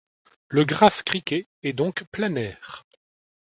Le graphe criquet est donc planaire.